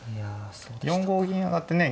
４五銀上がってね